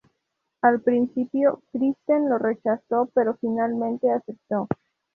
Al principio, Kristen lo rechazó pero finalmente aceptó.